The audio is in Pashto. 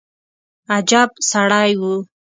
عجب سړى و.